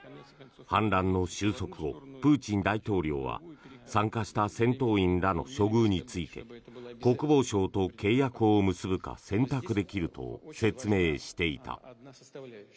反乱の収束後プーチン大統領は参加した戦闘員らの処遇について国防省と契約を結ぶか選択できると説明していた。